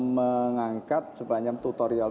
mengangkat sepanjang tutorial